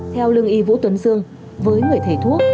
theo lương y vũ tuấn dương với người thầy thuốc